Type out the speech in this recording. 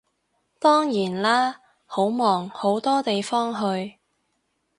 當然啦，好忙好多地方去